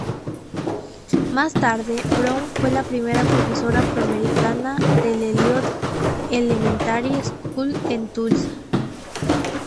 Más tarde, Brown fue la primera profesora afro-americana del Eliot Elementary School en Tulsa.